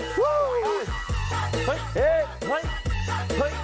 เฮ้ยเฮ้ย